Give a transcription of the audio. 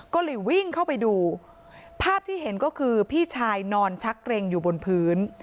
ก็เลยวิ่งเข้าไปดูภาพที่เห็นก็คือพี่ชายนอนชักเกรงอยู่บนพื้น